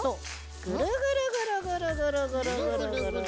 ぐるぐるぐるぐるぐるぐるぐるぐる。